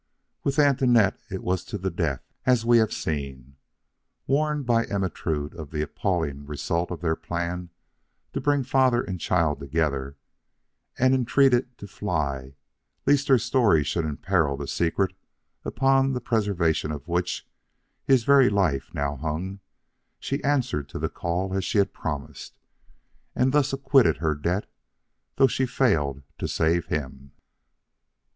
With Antoinette it was to the death, as we have seen. Warned by Ermentrude of the appalling results of their plan to bring father and child together, and entreated to fly lest her story should imperil the secret upon the preservation of which his very life now hung, she answered to the call as she had promised, and thus acquitted her debt though she failed to save him.